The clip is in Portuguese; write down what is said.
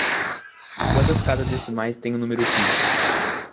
Quantas casas decimais tem o número pi?